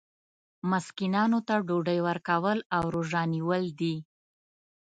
مسکینانو ته ډوډۍ ورکول او روژه نیول دي.